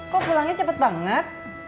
kok pulangnya cepet banget